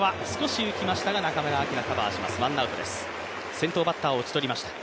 先頭バッターを打ち取りました。